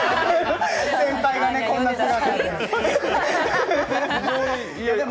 先輩がね、こんな姿で。